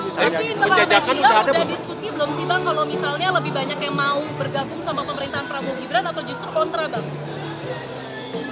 tapi terakhir sudah diskusi belum sih bang kalau misalnya lebih banyak yang mau bergabung sama pemerintahan prabowo gibran atau justru kontra bang